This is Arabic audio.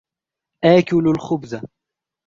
آكل الخبز.